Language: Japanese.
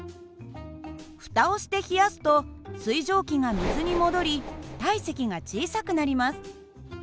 ふたをして冷やすと水蒸気が水に戻り体積が小さくなります。